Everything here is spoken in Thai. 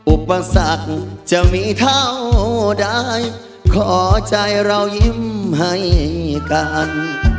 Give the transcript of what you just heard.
อุปสรรคจะมีเท่าใดขอใจเรายิ้มให้กัน